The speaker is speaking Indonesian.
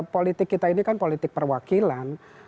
politik kita ini kan politik perwakilan